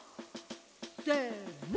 せの！